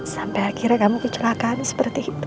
sampai akhirnya kamu kecelakaan seperti itu